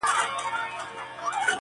پرېږده چي نور په سره ناسور بدل سي.